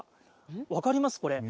分かります、これ。